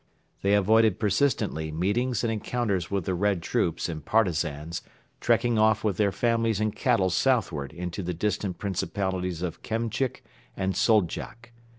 They avoided persistently meetings and encounters with the Red troops and Partisans, trekking off with their families and cattle southward into the distant principalities of Kemchik and Soldjak.